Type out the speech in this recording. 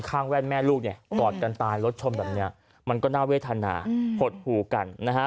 แว่นแม่ลูกเนี่ยกอดกันตายรถชนแบบนี้มันก็น่าเวทนาหดหูกันนะฮะ